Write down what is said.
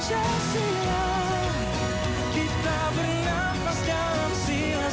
semwasil untuk berjalan menangu ke depan